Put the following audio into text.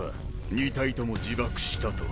２体とも自爆したと。